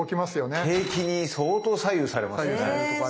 景気に相当左右されますね。